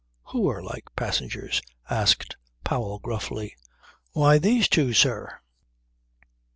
"Who are like passengers?" asked Powell gruffly. "Why, these two, sir."